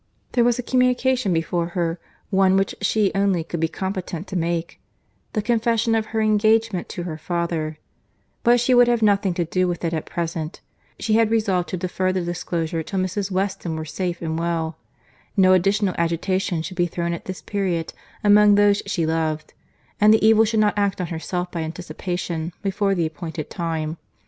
There was a communication before her, one which she only could be competent to make—the confession of her engagement to her father; but she would have nothing to do with it at present.—She had resolved to defer the disclosure till Mrs. Weston were safe and well. No additional agitation should be thrown at this period among those she loved—and the evil should not act on herself by anticipation before the appointed time.